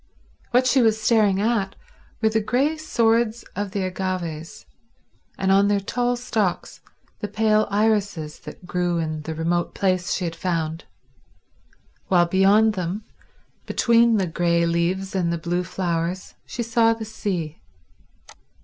What she was staring at were the grey swords of the agaves, and, on their tall stalks, the pale irises that grew in the remote place she had found, while beyond them, between the grey leaves and the blue flowers, she saw the sea.